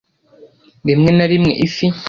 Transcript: rimwe na rimwe Ifi